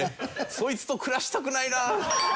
そいつと暮らしたくないなあ。